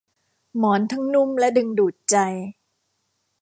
หมอนทั้งนุ่มและดึงดูดใจ